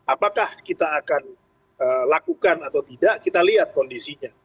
apakah kita akan lakukan atau tidak kita lihat kondisinya